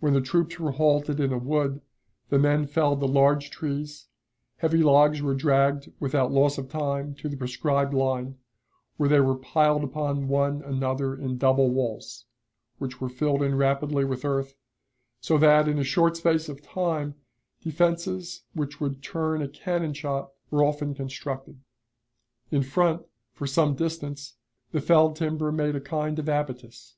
When the troops were halted in a wood, the men felled the large trees, heavy logs were dragged without loss of time to the prescribed line, where they were piled upon one another in double walls, which were filled in rapidly with earth; so that, in a short space of time, defenses which would turn a cannon shot were often constructed. In front, for some distance, the felled timber made a kind of abatis.